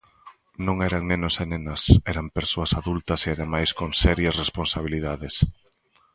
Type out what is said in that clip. Non eran nenos e nenas, eran persoas adultas e ademais con serias responsabilidades.